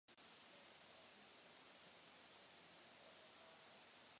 Byl též redaktorem časopisu "Rolník".